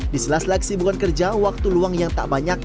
di sela seleksi bukan kerja waktu luang yang tak banyak